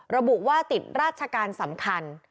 ระบุว่าติดราชการสำคัญ